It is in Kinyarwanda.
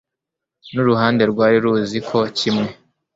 n uruhande rwari ruzi ko kimwe